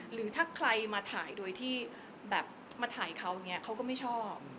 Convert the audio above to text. หรือถ้าใครมาถ่ายโดยที่มาถ่ายเขาเขาก็ไม่ชอบ